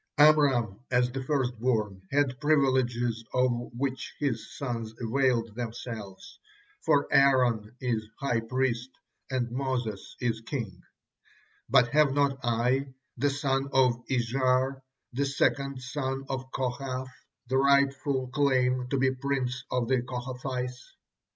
Amram, as the firstborn, had privileges of which his sons availed themselves, for Aaron is high priest and Moses is king; but have not I, the son of Izhar, the second son of Kohath, the rightful claim to be prince of the Kohathites?